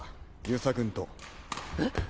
遊佐君と。え？